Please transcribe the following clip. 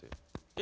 え！